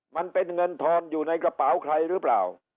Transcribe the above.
มันเป็นเงินทอนอยู่ในกระเป๋าใครหรือเปล่า